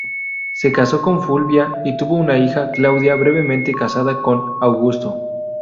Se casó con Fulvia y tuvo una hija, Claudia, brevemente casada con Augusto.